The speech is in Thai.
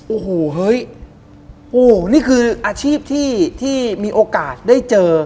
โอ้โหเฮ้ยโอ้นี่คืออาชีพที่มีโอกาสได้เจอ